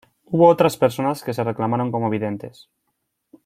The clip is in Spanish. Hubo otras personas que se reclamaron como videntes.